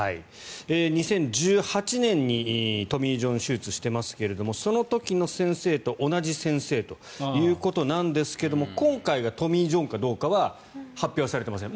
２０１８年にトミー・ジョン手術してますがその時の先生と同じ先生ということなんですが今回はトミー・ジョンかどうかは発表されていません。